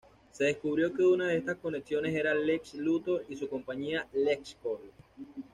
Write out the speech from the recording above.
Se descubrió que una de estas conexiones era Lex Luthor y su compañía, LexCorp.